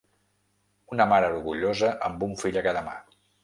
Una mare orgullosa amb un fill a cada mà.